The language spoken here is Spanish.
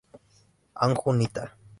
Anju Nitta